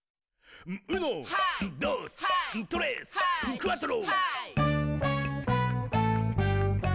クアトロ！」